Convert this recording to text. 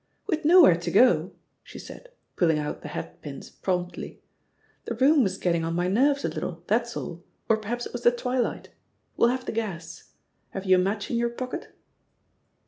"With nowhere to go!" she said, pulling out the hat pins promptly. "The room was getting on my nerves a little, that's all, or perhaps it was the twilight — we'll have the gas; have you a match in your pocket?"